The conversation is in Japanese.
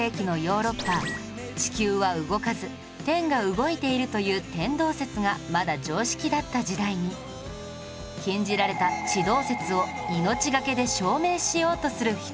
地球は動かず天が動いているという天動説がまだ常識だった時代に禁じられた地動説を命懸けで証明しようとする人々